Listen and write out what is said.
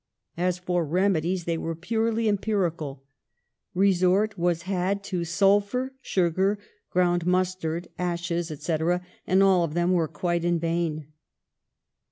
As for remedies, they were purely empirical; re sort was had to sulphur, sugar, ground mus tard, ashes, etc., and all of them were quite in vain.